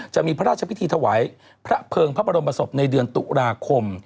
จะมีพระราชพิธีถวายพระเภิงพระบรมศพในเดือนตุลาคม